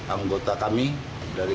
anggota kami dari